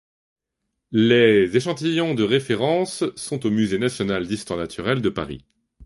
Les échantillons de références sont au Muséum national d'histoire naturelle de Paris.